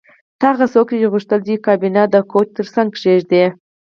ته هغه څوک یې چې غوښتل دې کابینه د کوچ ترڅنګ کیږدې